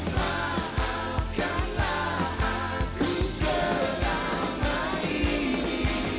maafkanlah aku selama ini